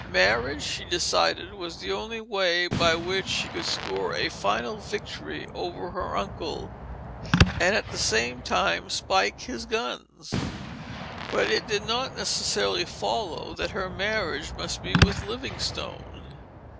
Marriage, she decided, was the only way by which she could score a final victory over her uncle, and at the same time spike his guns; but it did not necessarily follow that her marriage must be with Livingstone.